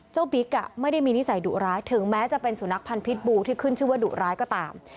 บิ๊กไม่ได้มีนิสัยดุร้ายถึงแม้จะเป็นสุนัขพันธ์พิษบูที่ขึ้นชื่อว่าดุร้ายก็ตาม